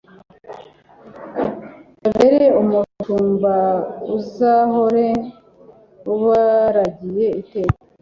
babere umushumba, uzahore ubaragiye iteka